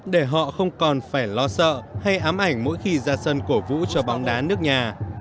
để họ không còn phải lo sợ hay ám ảnh mỗi khi ra sân cổ vũ cho bóng đá nước nhà